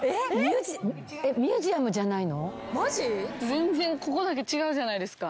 全然ここだけ違うじゃないですか。